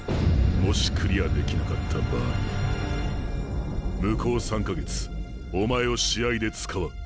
もしクリアできなかった場合向こう３か月お前を試合で使わん。